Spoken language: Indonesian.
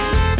ya itu dia